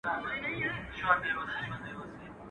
o رشتيا خبري يا مست کوي، يا لېونى.